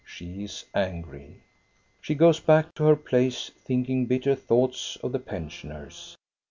She is angry. She goes back to her place thinking bitter thoughts of the pensioners.